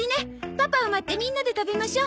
パパを待ってみんなで食べましょう。